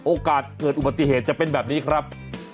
โอกาสเกิดอุบัติเหตุจะเป็นแบบนี้ครับ